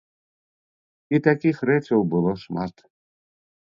І такіх рэчаў было шмат.